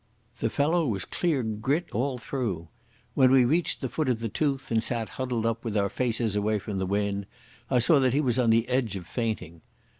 The fellow was clear grit all through. When we reached the foot of the tooth and sat huddled up with our faces away from the wind, I saw that he was on the edge of fainting.